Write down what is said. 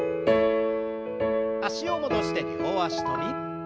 脚を戻して両脚跳び。